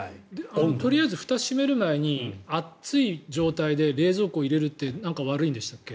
とりあえずふたを閉める前に、熱い状態で冷蔵庫に入れるってなんか悪いんでしたっけ。